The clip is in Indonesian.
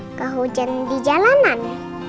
nggak hujan di jalanan